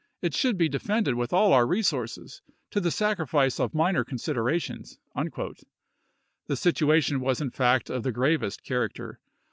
It should be defended with all our resources, to the sacrifice of minor considerations." The situation was in fact of the gravest character.